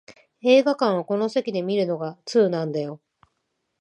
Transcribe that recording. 映画館はこの席で観るのが通なんだよ